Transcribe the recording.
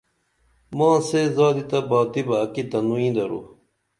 ماں سے زادی تہ باتی بہ اکی تنوئی درو